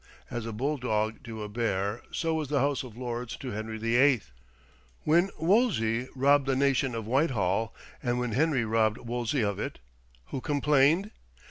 As a bulldog to a bear, so was the House of Lords to Henry VIII. When Wolsey robbed the nation of Whitehall, and when Henry robbed Wolsey of it, who complained?